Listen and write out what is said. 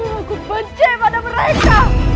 aku benci pada mereka